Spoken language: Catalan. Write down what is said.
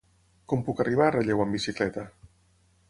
Com puc arribar a Relleu amb bicicleta?